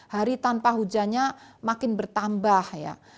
hari tanpa hujannya makin bertambah ya